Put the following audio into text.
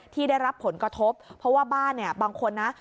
ที่ได้รับผลกระทบเพราะว่าบ้านเนี่ยบางคนนะ